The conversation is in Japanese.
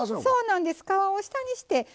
そうなんです皮を下にして。